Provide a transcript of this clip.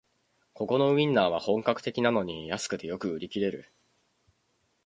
ここのウインナーは本格的なのに安くてよく売り切れる